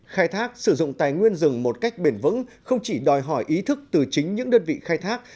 khai thác sử dụng tài nguyên rừng một cách bền vững không chỉ đòi hỏi ý thức từ chính những đơn vị khai thác